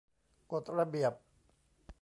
กฎระเบียบ